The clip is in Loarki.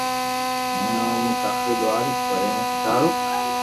ھين او مون ڪافي لوھار پيڙي ۾ سودھارو